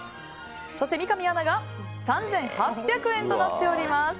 そして三上アナが３８００円となっております。